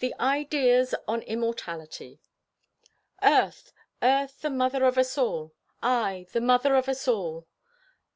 THE IDEAS ON IMMORTALITY "Earth! Earth, the mother of us all! Aye, the mother of us all!